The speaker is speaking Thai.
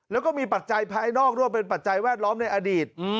แล้วก็มีปัจจัยภายนอกด้วยเป็นปัจจัยแวดล้อมในอดีต